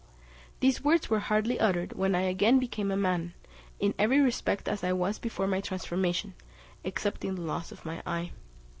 These words were hardly uttered, when I again became a man, in every respect as I was before my transformation, excepting the loss of my eye.